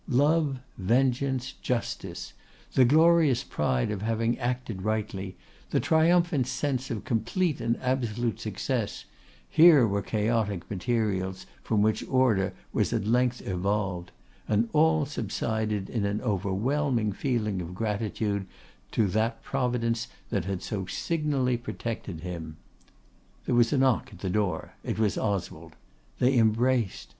Love, Vengeance, Justice, the glorious pride of having acted rightly, the triumphant sense of complete and absolute success, here were chaotic materials from which order was at length evolved; and all subsided in an overwhelming feeling of gratitude to that Providence that had so signally protected him. There was a knock at the door. It was Oswald. They embraced.